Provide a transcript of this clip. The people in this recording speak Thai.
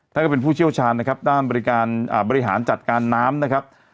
ก็เป็นผู้เชี่ยวชาญนะครับด้านบริการบริหารจัดการน้ำนะครับ